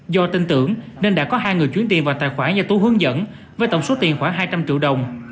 do tin tưởng nên đã có hai người chuyển tiền vào tài khoản do tú hướng dẫn với tổng số tiền khoảng hai trăm linh triệu đồng